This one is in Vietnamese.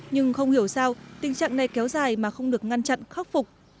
nhưng không hiểu sao tình trạng này kéo dài mà không được ngăn chặn khắc phục